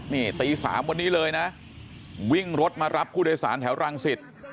นี่ตี๓วันนี้เลยนะวิ่งรถมารับผู้โดยสารแถวรังสิต